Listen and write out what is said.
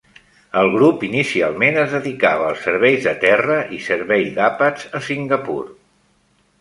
El grup inicialment es dedicava als serveis de terra i servei d'àpats a Singapur.